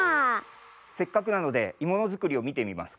せっかくなのでいものづくりをみてみますか？